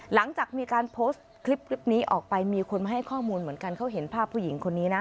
หลังจากมีการโพสต์คลิปนี้ออกไปมีคนมาให้ข้อมูลเหมือนกันเขาเห็นภาพผู้หญิงคนนี้นะ